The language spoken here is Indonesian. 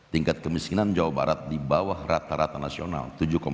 tingkat kemiskinan jawa barat di bawah rata rata nasional tujuh delapan puluh tiga